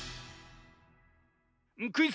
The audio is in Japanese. クイズ